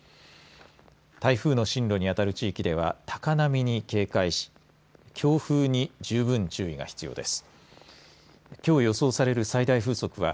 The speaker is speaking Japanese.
台風の進路にあたる地域では高波に警戒し強風に十分注意が必要です。